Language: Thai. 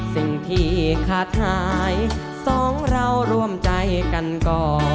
สิ่งที่ขาดหายสองเราร่วมใจกันก่อ